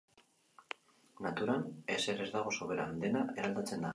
Naturan ezer ez dago soberan, dena eraldatzen da.